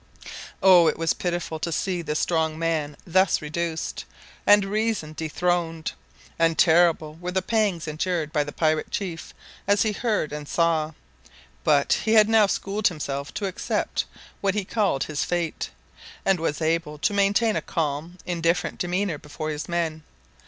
Oh! it was pitiful to see the strong man thus reduced, and reason dethroned; and terrible were the pangs endured by the pirate chief as he heard and saw; but he had now schooled himself to accept what he called his "fate," and was able to maintain a calm, indifferent demeanour before his men.